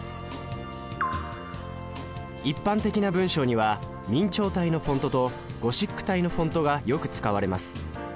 一般的な文章には明朝体のフォントとゴシック体のフォントがよく使われます。